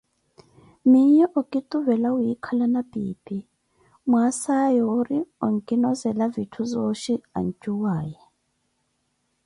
Miiyo okituvela wikhalana piipi, mwaasa yoori onkinozela vitthu zooxhi ancuwaye.